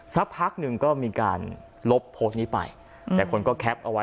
สักพักหนึ่งก็มีการลบโพสต์นี้ไปแต่คนก็แคปเอาไว้